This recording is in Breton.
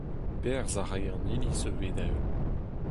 Berzh a rae an Iliz ivez da-heul.